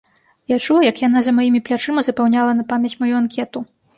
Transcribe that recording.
Я чуў, як яна за маімі плячыма запаўняла на памяць маю анкету.